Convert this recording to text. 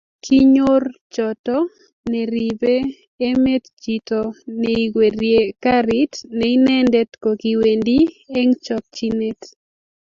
Kinyor choto neribe emet chito neigwerie karit ne inendet kokiwendi eng chokchinet